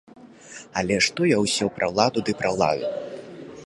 Але што я ўсё пра ўладу, ды пра ўладу.